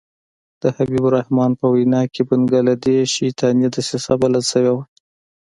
د حبیب الرحمن په وینا کې بنګله دېش شیطاني دسیسه بلل شوې وه.